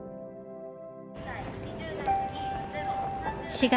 ４月。